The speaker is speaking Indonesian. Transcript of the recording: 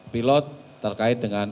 pilot terkait dengan